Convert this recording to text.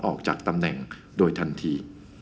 ออกจากตำแหน่งโดยทันที